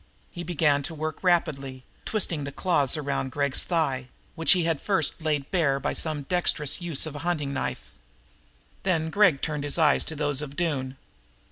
He began to work rapidly, twisting the clothes around Gregg's thigh, which he had first laid bare by some dexterous use of a hunting knife. Then Gregg turned his eyes to those of Doone.